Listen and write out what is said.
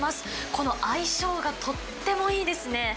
この相性がとってもいいですね。